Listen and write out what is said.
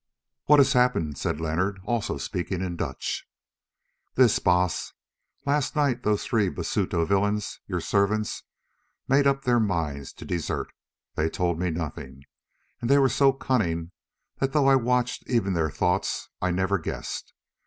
"What has happened?" said Leonard, also speaking in Dutch. "This, Baas! Last night those three Basuto villains, your servants, made up their minds to desert. They told me nothing, and they were so cunning that, though I watched even their thoughts, I never guessed.